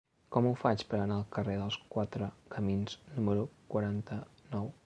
Com ho faig per anar al carrer dels Quatre Camins número quaranta-nou?